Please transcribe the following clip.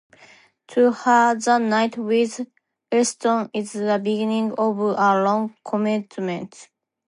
To her, the night with Easton is the beginning of a long commitment.